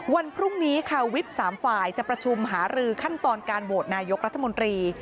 วันพรุ่งนี้ค่ะวิป๓ฝ่ายจะประชุมหารือขั้นตอนการโหวตนายกรัฐมนตรี